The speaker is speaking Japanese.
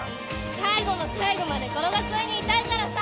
最後の最後までこの学園にいたいからさ。